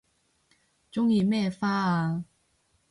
鍾意咩花啊